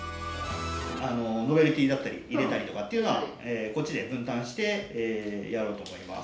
あのノベルティーだったり入れたりとかっていうのはこっちで分担してやろうと思います。